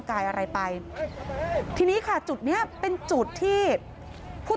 โชว์บ้านในพื้นที่เขารู้สึกยังไงกับเรื่องที่เกิดขึ้น